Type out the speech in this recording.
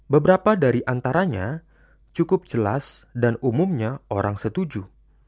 beberapa dari antaranya cukup jelas dan umumnya orang setuju